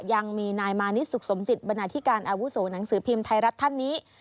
ยังมีนายมานิดสุขสมจิตบรรณาธิการอาวุโสหนังสือพิมพ์ไทยรัฐท่านนี้